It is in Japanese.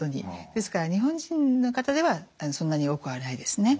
ですから日本人の方ではそんなに多くはないですね。